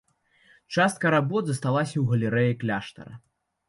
Частка работ засталася ў галерэі кляштара.